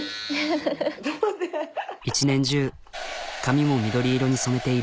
一年中髪も緑色に染めている。